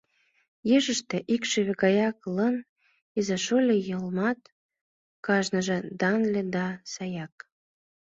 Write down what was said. Ешыште икшыве гаяк Лыҥ иза-шольо йылмат: Кажныже данле да саяк.